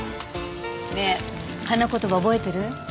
ねえ花言葉覚えてる？